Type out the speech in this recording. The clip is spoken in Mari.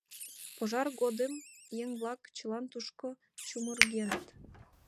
Пожар годым еҥ-влак чылан тушко чумыргеныт.